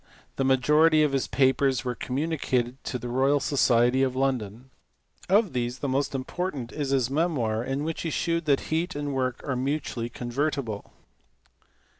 The majority of his papers were communicated to the Royal Society of London; of these the most important is his memoir in which he shewed that heat and work are mutually convertible.